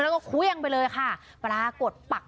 แล้วก็เควียงไปเลยค่ะป้ารากฏปัด